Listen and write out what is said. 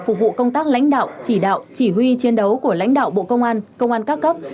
phục vụ công tác lãnh đạo chỉ đạo chỉ huy chiến đấu của lãnh đạo bộ công an công an các cấp